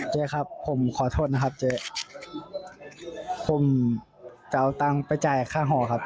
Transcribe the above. เจ๊ครับผมขอโทษนะครับเจ๊ผมจะเอาตังค์ไปจ่ายค่าหอครับ